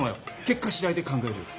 結果次第で考えるよ。